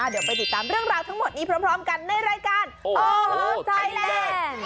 เดี๋ยวไปติดตามเรื่องราวทั้งหมดนี้พร้อมกันในรายการโอ้โหไทยแลนด์